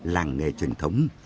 làng nghề truyền thống